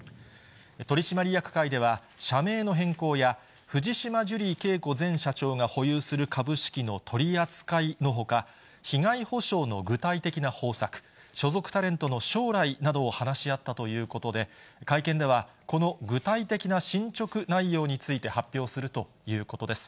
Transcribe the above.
取締役会では、社名の変更や、藤島ジュリー景子前社長が保有する株式の取り扱いのほか、被害補償の具体的な方策、所属タレントの将来などを話し合ったということで、会見では、この具体的な進捗内容について発表するということです。